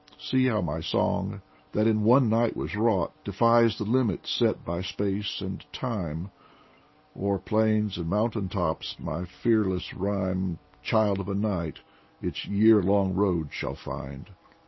See how my song, that in one night was wrought, Defies the limits set by space and time ! O'er plains and mountain tops my fearless rhyme, Child of a night, its year long road shall find.